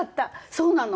そうなの。